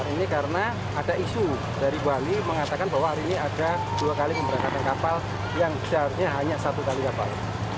ini karena ada isu dari bali mengatakan bahwa hari ini ada dua kali pemberangkatan kapal yang seharusnya hanya satu kali kapal